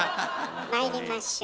まいりましょう。